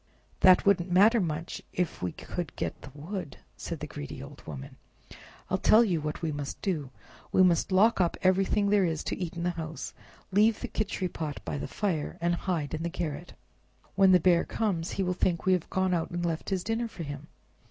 "That wouldn't matter much if we could get the wood," said the greedy old woman. "I'll tell you what we must do—we must lock up everything there is to eat in the house, leave the Khichri pot by the fire, and hide in the garret. When the Bear comes he will think we have gone out and left his dinner for him.